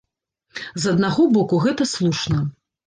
З аднаго боку, гэта слушна.